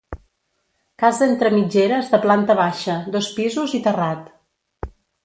Casa entre mitgeres de planta baixa, dos pisos i terrat.